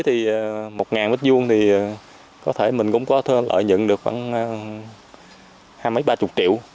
thì một m hai thì có thể mình cũng có lợi nhận được khoảng hai mươi ba mươi triệu